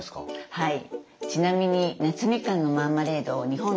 はい。